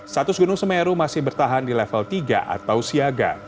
status gunung semeru masih bertahan di level tiga atau siaga